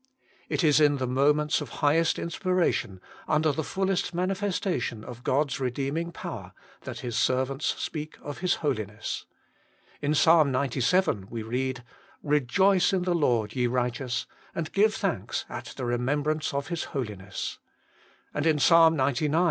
It is in the moments of highest inspiration, under the fullest manifestation of God's redeeming power, that His servants speak of His Holiness. In Ps. HOLINESS AND GLORY. 59 xcvii. we read, ' Eejoice in the Lord, ye righteous, and give thanks at the remembrance of His Holi ness.' And in Ps. xcix.